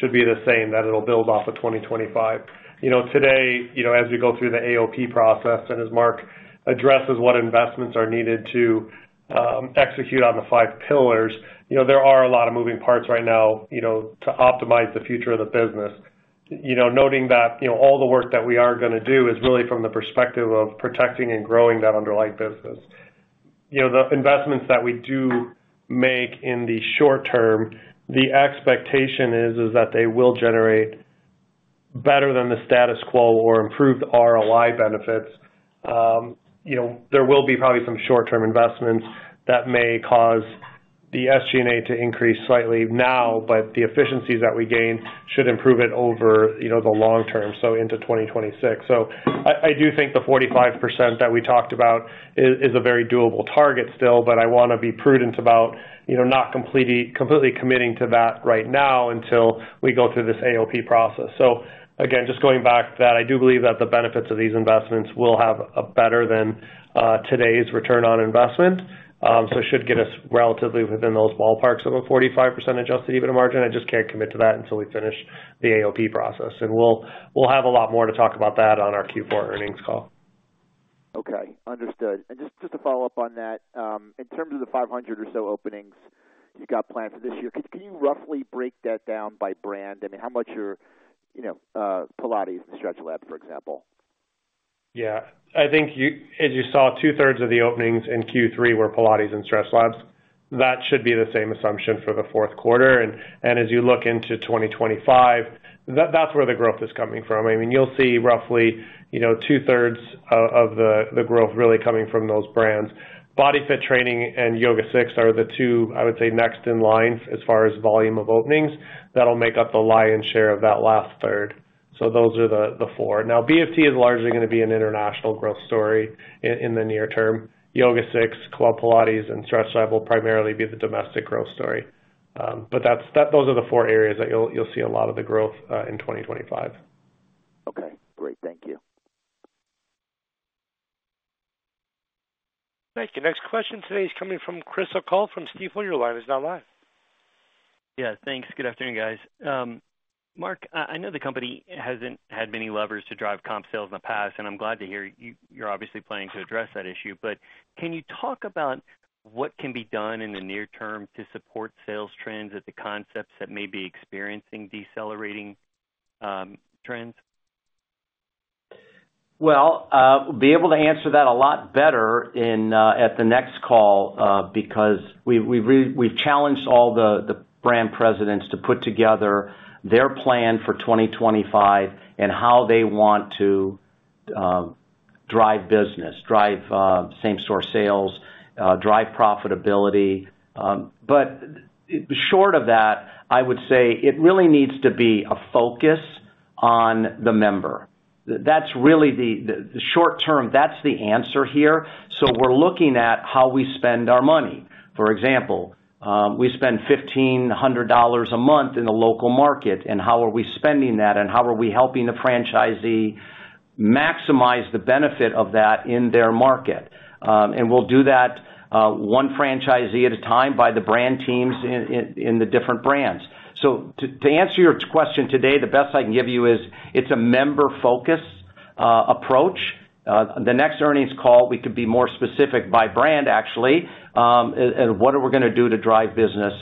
should be the same, that it'll build off of 2025. Today, as we go through the AOP process and as Mark addresses what investments are needed to execute on the five pillars, there are a lot of moving parts right now to optimize the future of the business. Noting that all the work that we are going to do is really from the perspective of protecting and growing that underlying business. The investments that we do make in the short term, the expectation is that they will generate better than the status quo or improved ROI benefits. There will be probably some short-term investments that may cause the SG&A to increase slightly now, but the efficiencies that we gain should improve it over the long term, so into 2026. So I do think the 45% that we talked about is a very doable target still, but I want to be prudent about not completely committing to that right now until we go through this AOP process. So again, just going back to that, I do believe that the benefits of these investments will have a better than today's return on investment. So it should get us relatively within those ballparks of a 45% adjusted EBITDA margin. I just can't commit to that until we finish the AOP process and we'll have a lot more to talk about that on our Q4 earnings call. Okay. Understood. And just to follow up on that, in terms of the 500 or so openings you've got planned for this year, can you roughly break that down by brand? I mean, how much are Pilates and StretchLab, for example? Yeah. I think, as you saw, 2/3 of the openings in Q3 were Pilates and StretchLab. That should be the same assumption for the Q4, and as you look into 2025, that's where the growth is coming from. I mean, you'll see roughly 2/3 of the growth really coming from those brands. Body Fit Training and YogaSix are the two, I would say, next in line as far as volume of openings that'll make up the lion's share of that last third, so those are the four. Now, BFT is largely going to be an international growth story in the near term. YogaSix, Club Pilates, and StretchLab will primarily be the domestic growth story, but those are the four areas that you'll see a lot of the growth in 2025. Okay. Great. Thank you. Thank you. Next question today is coming from Chris O'Cull from Stifel. Your line is now live. Yeah. Thanks. Good afternoon, guys. Mark, I know the company hasn't had many levers to drive comp sales in the past, and I'm glad to hear you're obviously planning to address that issue. But can you talk about what can be done in the near term to support sales trends at the concepts that may be experiencing decelerating trends? Well, we'll be able to answer that a lot better at the next call because we've challenged all the brand presidents to put together their plan for 2025 and how they want to drive business, drive same-store sales, drive profitability. But short of that, I would say it really needs to be a focus on the member. That's really the short-term. That's the answer here. So we're looking at how we spend our money. For example, we spend $1,500 a month in the local market, and how are we spending that, and how are we helping the franchisee maximize the benefit of that in their market? And we'll do that one franchisee at a time by the brand teams in the different brands. So to answer your question today, the best I can give you is it's a member-focused approach. The next earnings call, we could be more specific by brand, actually, and what are we going to do to drive business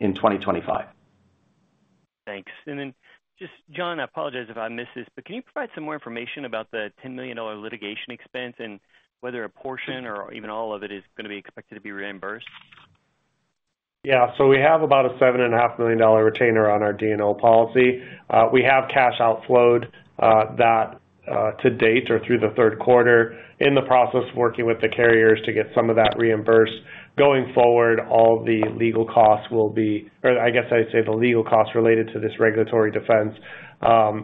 in 2025? Thanks. And then just, John, I apologize if I missed this, but can you provide some more information about the $10 million litigation expense and whether a portion or even all of it is going to be expected to be reimbursed? Yeah. So we have about a $7.5 million retainer on our D&O policy. We have cash outflowed that to date or through the Q3 in the process of working with the carriers to get some of that reimbursed. Going forward, all the legal costs will be—or I guess I'd say the legal costs related to this regulatory defense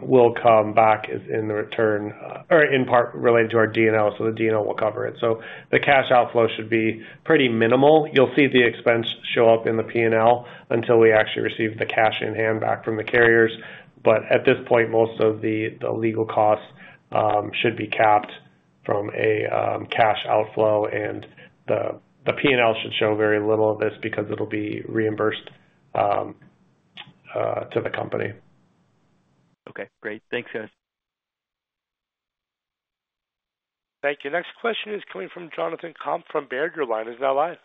will come back in the return or in part related to our D&O, so the D&O will cover it. So the cash outflow should be pretty minimal. You'll see the expense show up in the P&L until we actually receive the cash in hand back from the carriers. But at this point, most of the legal costs should be capped from a cash outflow, and the P&L should show very little of this because it'll be reimbursed to the company. Okay. Great. Thanks, guys. Thank you. Next question is coming from Jonathan Komp from Baird. Your line is now live.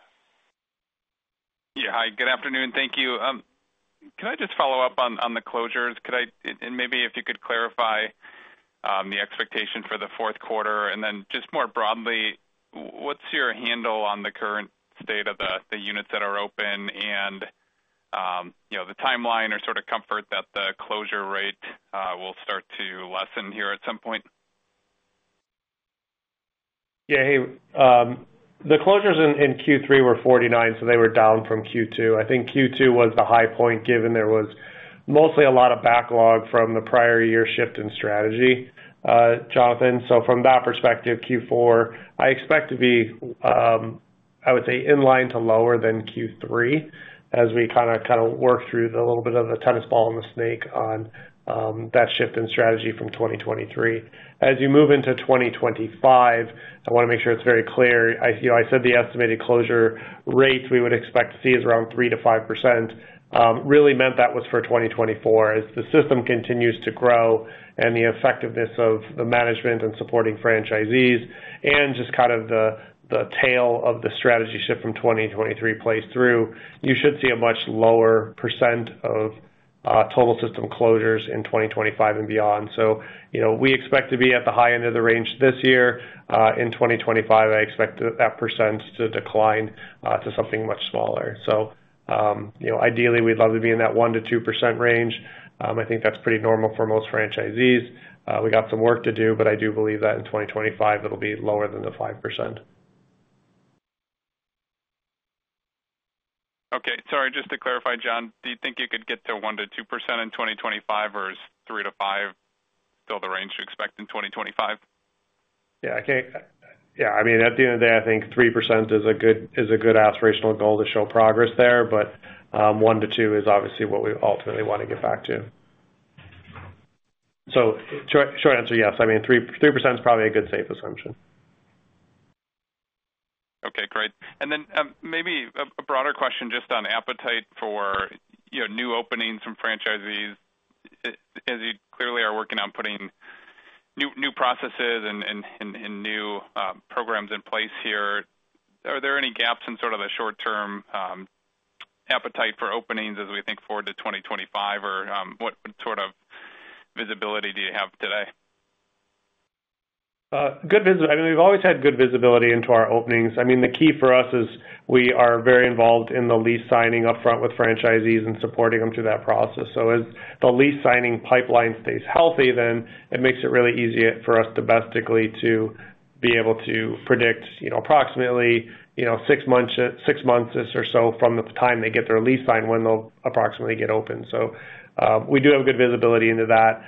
Yeah. Hi. Good afternoon. Thank you. Can I just follow up on the closures and maybe if you could clarify the expectation for the Q4 and then just more broadly, what's your handle on the current state of the units that are open and the timeline or sort of comfort that the closure rate will start to lessen here at some point? Yeah. Hey, the closures in Q3 were 49%, so they were down from Q2. I think Q2 was the high point given there was mostly a lot of backlog from the prior year shift in strategy, Jonathan, so from that perspective, Q4, I expect to be, I would say, in line to lower than Q3 as we kind of work through a little bit of the tennis ball and the snake on that shift in strategy from 2023. As you move into 2025, I want to make sure it's very clear. I said the estimated closure rate we would expect to see is around 3%-5%. I really meant that was for 2024 as the system continues to grow and the effectiveness of the management and supporting franchisees and just kind of the tail of the strategy shift from 2023 plays through. You should see a much lower % of total system closures in 2025 and beyond. So we expect to be at the high end of the range this year. In 2025, I expect that percent to decline to something much smaller. So ideally, we'd love to be in that 1%-2% range. I think that's pretty normal for most franchisees. We got some work to do, but I do believe that in 2025, it'll be lower than the 5%. Okay. Sorry. Just to clarify, John, do you think you could get to 1%-2% in 2025, or is 3%-5% still the range to expect in 2025? Yeah. Yeah. I mean, at the end of the day, I think 3% is a good aspirational goal to show progress there, but 1%-2% is obviously what we ultimately want to get back to. So short answer, yes. I mean, 3% is probably a good safe assumption. Okay. Great. And then maybe a broader question just on appetite for new openings from franchisees. As you clearly are working on putting new processes and new programs in place here, are there any gaps in sort of the short-term appetite for openings as we think forward to 2025, or what sort of visibility do you have today? Good visibility. I mean, we've always had good visibility into our openings. I mean, the key for us is we are very involved in the lease signing upfront with franchisees and supporting them through that process, so as the lease signing pipeline stays healthy, then it makes it really easy for us domestically to be able to predict approximately six months or so from the time they get their lease signed when they'll approximately get open, so we do have good visibility into that.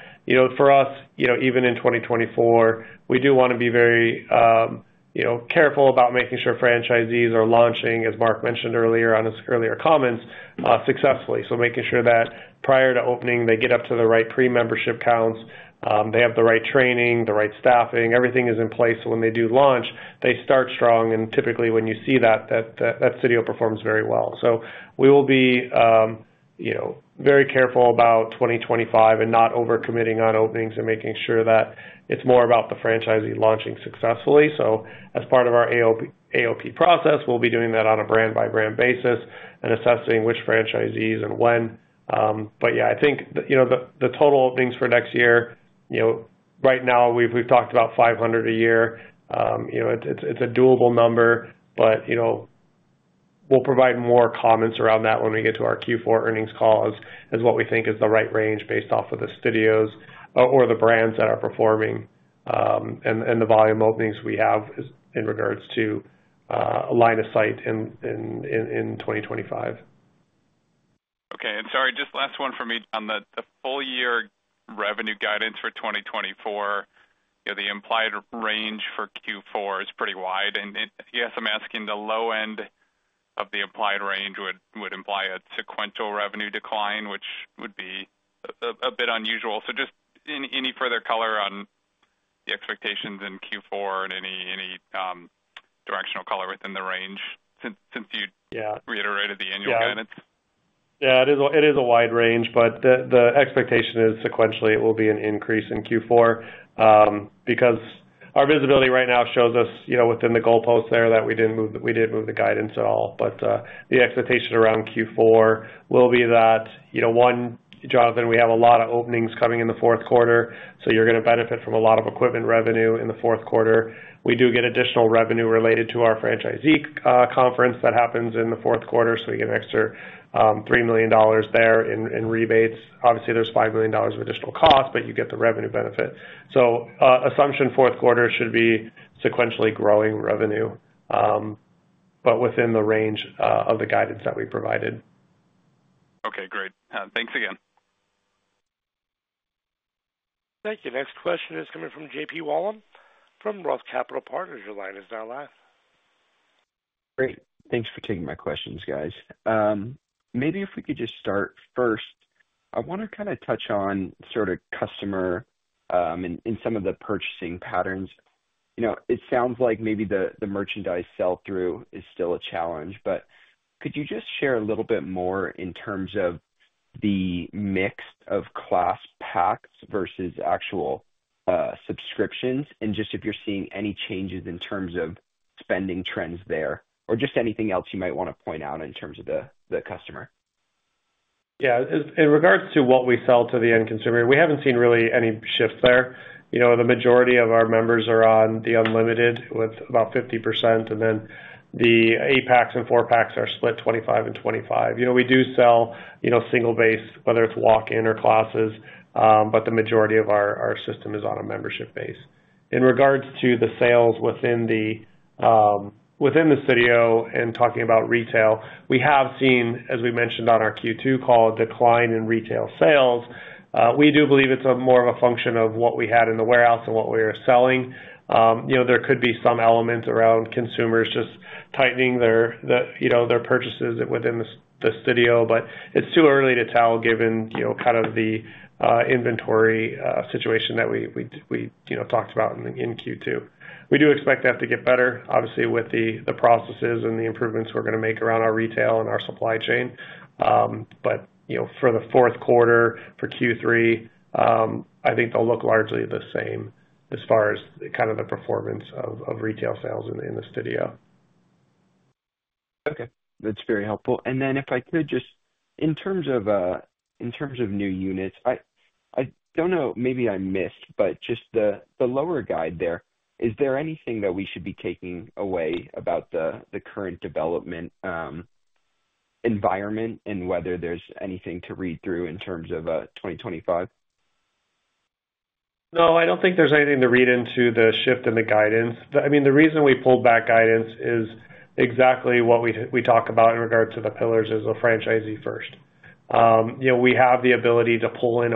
For us, even in 2024, we do want to be very careful about making sure franchisees are launching, as Mark mentioned earlier on his earlier comments, successfully, so making sure that prior to opening, they get up to the right pre-membership counts, they have the right training, the right staffing, everything is in place so when they do launch, they start strong, and typically, when you see that, that studio performs very well. So we will be very careful about 2025 and not overcommitting on openings and making sure that it's more about the franchisee launching successfully. So as part of our AOP process, we'll be doing that on a brand-by-brand basis and assessing which franchisees and when. But yeah, I think the total openings for next year, right now, we've talked about 500 a year. It's a doable number, but we'll provide more comments around that when we get to our Q4 earnings calls as what we think is the right range based off of the studios or the brands that are performing and the volume openings we have in regards to line of sight in 2025. Okay. Sorry, just last one for me, John. The full-year revenue guidance for 2024, the implied range for Q4 is pretty wide and yes, I'm asking the low end of the implied range would imply a sequential revenue decline, which would be a bit unusual. So just any further color on the expectations in Q4 and any directional color within the range since you reiterated the annual guidance? Yeah. Yeah. It is a wide range, but the expectation is sequentially it will be an increase in Q4 because our visibility right now shows us within the goalposts there that we didn't move the guidance at all. But the expectation around Q4 will be that, one, Jonathan, we have a lot of openings coming in the Q4, so you're going to benefit from a lot of equipment revenue in the Q4. We do get additional revenue related to our franchisee conference that happens in the Q4, so we get an extra $3 million there in rebates. Obviously, there's $5 million of additional cost, but you get the revenue benefit. So assumption Q4 should be sequentially growing revenue, but within the range of the guidance that we provided. Okay. Great. Thanks again. Thank you. Next question is coming from JP Wollam from Roth Capital Partners. Your line is now live. Great. Thanks for taking my questions, guys. Maybe if we could just start first. I want to kind of touch on sort of customer and some of the purchasing patterns. It sounds like maybe the merchandise sell-through is still a challenge, but could you just share a little bit more in terms of the mix of class packs versus actual subscriptions and just if you're seeing any changes in terms of spending trends there or just anything else you might want to point out in terms of the customer? Yeah. In regards to what we sell to the end consumer, we haven't seen really any shifts there. The majority of our members are on the unlimited with about 50%, and then the eight packs and four packs are split 25% and 25%. We do sell single-based, whether it's walk-in or classes, but the majority of our system is on a membership base. In regards to the sales within the studio and talking about retail, we have seen, as we mentioned on our Q2 call, a decline in retail sales. We do believe it's more of a function of what we had in the warehouse and what we were selling. There could be some elements around consumers just tightening their purchases within the studio, but it's too early to tell given kind of the inventory situation that we talked about in Q2. We do expect that to get better, obviously, with the processes and the improvements we're going to make around our retail and our supply chain. But for the Q4, for Q3, I think they'll look largely the same as far as kind of the performance of retail sales in the studio. Okay. That's very helpful. And then if I could just, in terms of new units, I don't know, maybe I missed, but just the lower guide there, is there anything that we should be taking away about the current development environment and whether there's anything to read through in terms of 2025? No, I don't think there's anything to read into the shift in the guidance. I mean, the reason we pulled back guidance is exactly what we talk about in regards to the pillars as a franchisee first. We have the ability to pull in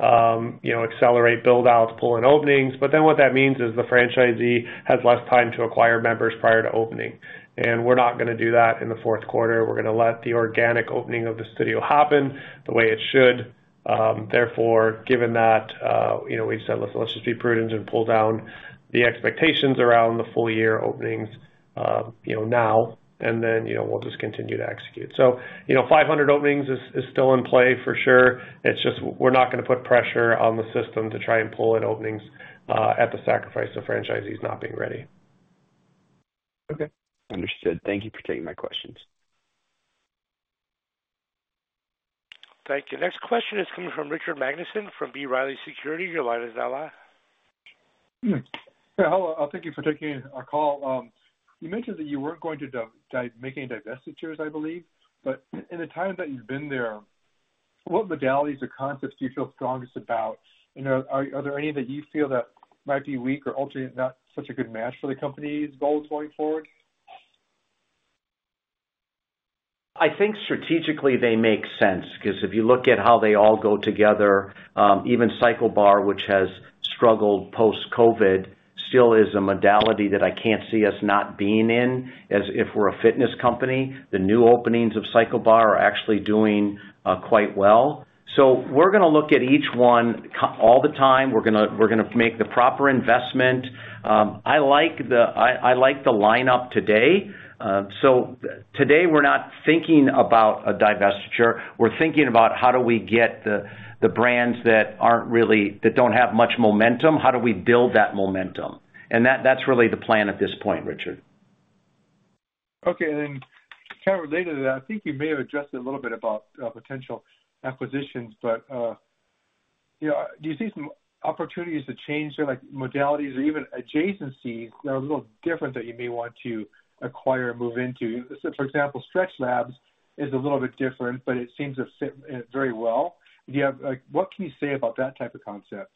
openings, accelerate build-outs, pull in openings, but then what that means is the franchisee has less time to acquire members prior to opening, and we're not going to do that in the Q4. We're going to let the organic opening of the studio happen the way it should. Therefore, given that, we've said, "Let's just be prudent and pull down the expectations around the full-year openings now," and then we'll just continue to execute, so 500 openings is still in play for sure. It's just we're not going to put pressure on the system to try and pull in openings at the sacrifice of franchisees not being ready. Okay. Understood. Thank you for taking my questions. Thank you. Next question is coming from Richard Magnusen from B. Riley Securities. Your line is now live. Yeah. Hello. Thank you for taking our call. You mentioned that you weren't going to make any divestitures, I believe, but in the time that you've been there, what modalities or concepts do you feel strongest about? And are there any that you feel that might be weak or ultimately not such a good match for the company's goals going forward? I think strategically they make sense because if you look at how they all go together, even CycleBar, which has struggled post-COVID, still is a modality that I can't see us not being in. If we're a fitness company, the new openings of CycleBar are actually doing quite well. So we're going to look at each one all the time. We're going to make the proper investment. I like the lineup today. So today, we're not thinking about a divestiture. We're thinking about how do we get the brands that don't have much momentum? How do we build that momentum? And that's really the plan at this point, Richard. Okay and then kind of related to that, I think you may have addressed it a little bit about potential acquisitions, but do you see some opportunities to change their modalities or even adjacencies that are a little different that you may want to acquire and move into? For example, StretchLab is a little bit different, but it seems to fit very well. What can you say about that type of concept?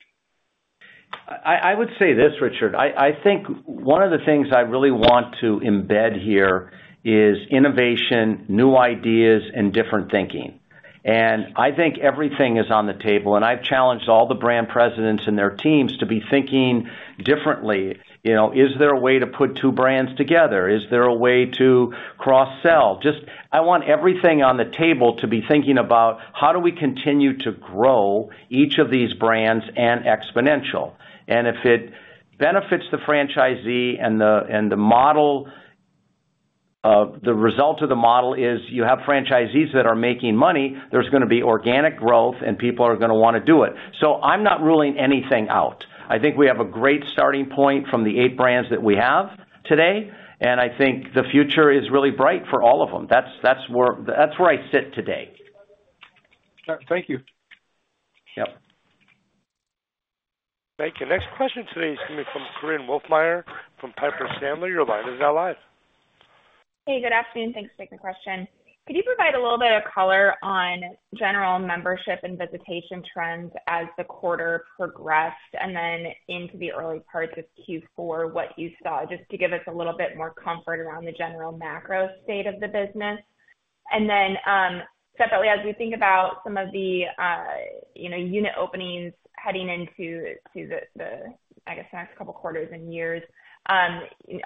I would say this, Richard. I think one of the things I really want to embed here is innovation, new ideas, and different thinking. And I think everything is on the table. And I've challenged all the brand presidents and their teams to be thinking differently. Is there a way to put two brands together? Is there a way to cross-sell? I want everything on the table to be thinking about how do we continue to grow each of these brands and Xponential. And if it benefits the franchisee and the result of the model is you have franchisees that are making money, there's going to be organic growth, and people are going to want to do it. So I'm not ruling anything out. I think we have a great starting point from the eight brands that we have today, and I think the future is really bright for all of them. That's where I sit today. Thank you. Yep. Thank you. Next question today is coming from Korinne Wolfmeyer from Piper Sandler. Your line is now live. Hey, good afternoon. Thanks for taking the question. Could you provide a little bit of color on general membership and visitation trends as the quarter progressed and then into the early parts of Q4, what you saw just to give us a little bit more comfort around the general macro state of the business? And then separately, as we think about some of the unit openings heading into the, I guess, next couple of quarters and years,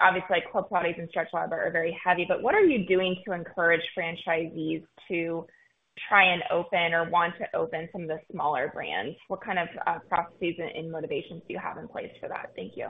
obviously, Club Pilates and StretchLab are very heavy, but what are you doing to encourage franchisees to try and open or want to open some of the smaller brands? What kind of processes and motivations do you have in place for that? Thank you.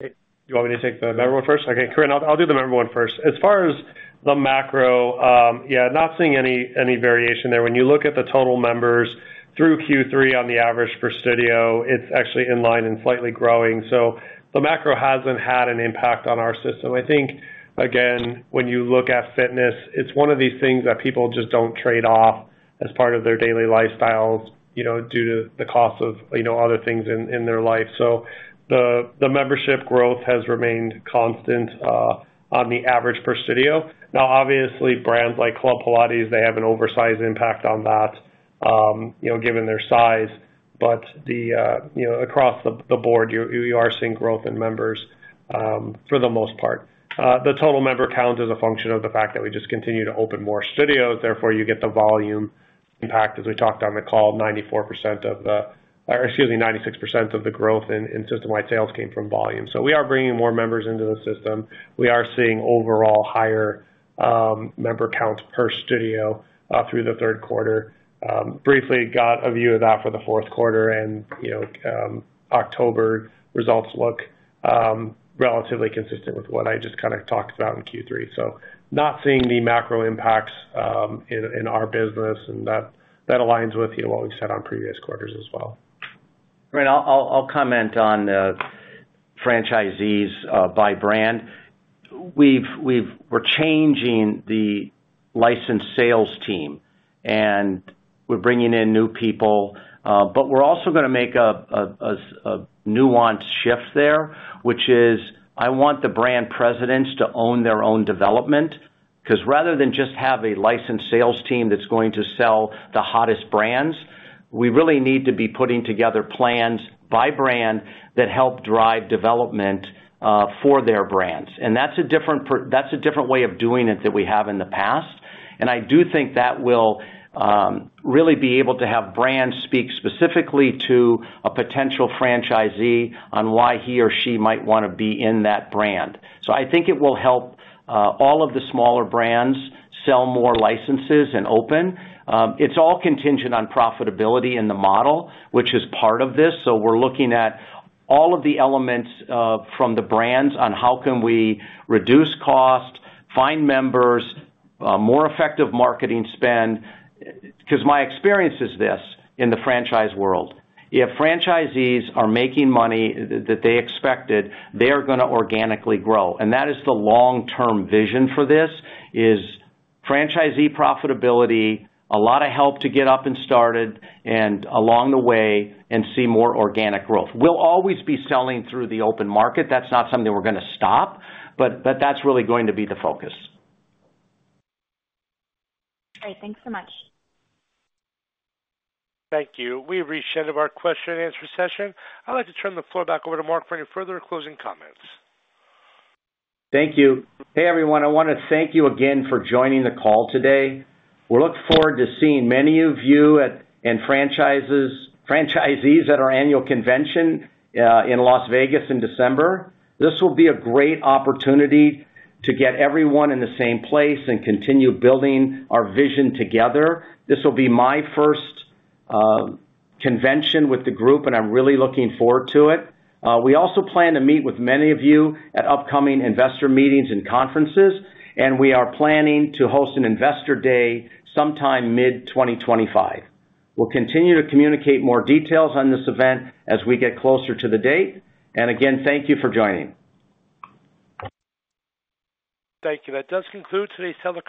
Do you want me to take the macro first? Okay. Korinne, I'll do the macro one first. As far as the macro, yeah, not seeing any variation there. When you look at the total members through Q3, on the average for studio, it's actually in line and slightly growing. So the macro hasn't had an impact on our system. I think, again, when you look at fitness, it's one of these things that people just don't trade off as part of their daily lifestyles due to the cost of other things in their life. So the membership growth has remained constant on the average per studio. Now, obviously, brands like Club Pilates, they have an oversized impact on that given their size, but across the board, you are seeing growth in members for the most part. The total member count is a function of the fact that we just continue to open more studios. Therefore, you get the volume impact, as we talked on the call, 94% of the, excuse me, 96% of the growth in system-wide sales came from volume. So we are bringing more members into the system. We are seeing overall higher member count per studio through the Q3. Briefly got a view of that for the Q4, and October results look relatively consistent with what I just kind of talked about in Q3. So not seeing the macro impacts in our business, and that aligns with what we said on previous quarters as well. Right. I'll comment on the franchisees by brand. We're changing the license sales team, and we're bringing in new people, but we're also going to make a nuanced shift there, which is I want the brand presidents to own their own development because rather than just have a license sales team that's going to sell the hottest brands, we really need to be putting together plans by brand that help drive development for their brands. And that's a different way of doing it that we have in the past. And I do think that will really be able to have brands speak specifically to a potential franchisee on why he or she might want to be in that brand. So I think it will help all of the smaller brands sell more licenses and open. It's all contingent on profitability in the model, which is part of this. So we're looking at all of the elements from the brands on how can we reduce cost, find members, more effective marketing spend because my experience is this in the franchise world. If franchisees are making money that they expected, they are going to organically grow, and that is the long-term vision for this: franchisee profitability, a lot of help to get up and started and along the way and see more organic growth. We'll always be selling through the open market. That's not something we're going to stop, but that's really going to be the focus. All right. Thanks so much. Thank you. We've concluded our question-and-answer session. I'd like to turn the floor back over to Mark for any further closing comments. Thank you. Hey, everyone. I want to thank you again for joining the call today. We look forward to seeing many of you and franchisees at our annual convention in Las Vegas in December. This will be a great opportunity to get everyone in the same place and continue building our vision together. This will be my first convention with the group, and I'm really looking forward to it. We also plan to meet with many of you at upcoming investor meetings and conferences, and we are planning to host an investor day sometime mid-2025. We'll continue to communicate more details on this event as we get closer to the date and again, thank you for joining. Thank you. That does conclude today's teleconference.